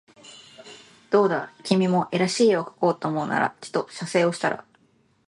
どうだ君も画らしい画をかこうと思うならちと写生をしたら